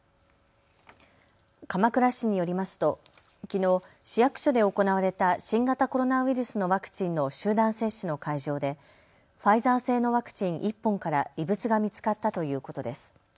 鎌倉市によりますときのう市役所で行われた新型コロナウイルスのワクチンの集団接種の会場でファイザー製のワクチン１本から異物が見つかったということです。